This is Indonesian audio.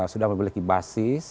sudah memiliki basis